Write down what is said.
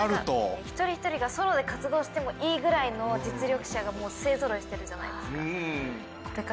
もう一人一人がソロで活動してもいいぐらいの実力者が勢ぞろいしてるじゃないですか。